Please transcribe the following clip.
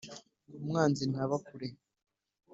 Umwanzi ntaba kure.